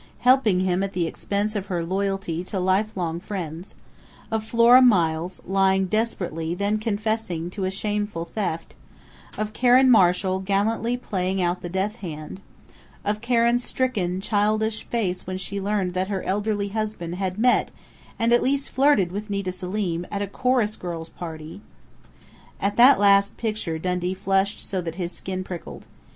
helping him at the expense of her loyalty to life long friends; of Flora Miles, lying desperately and then confessing to a shameful theft; of Karen Marshall gallantly playing out the "death hand"; of Karen's stricken, childish face when she learned that her elderly husband had met and at least flirted with Nita Selim at a chorus girls' party.... At that last picture Dundee flushed so that his skin prickled.